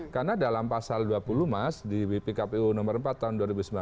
karena dalam pasal dua puluh mas di bpkpu nomor empat tahun dua ribu sembilan belas